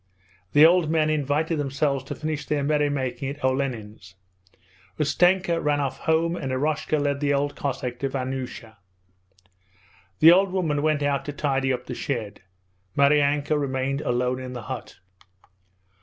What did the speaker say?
The old men invited themselves to finish their merry making at Olenin's. Ustenka ran off home and Eroshka led the old Cossack to Vanyusha. The old woman went out to tidy up the shed. Maryanka remained alone in the hut.